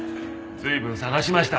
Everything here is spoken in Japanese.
随分探しました。